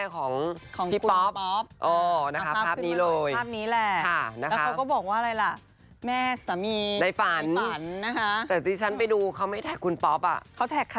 ค่อนข้อน่ารักอะจ้ะเนอะ